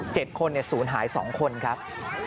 เจ็ดคนเนี่ยศูนย์หายสองคนครับ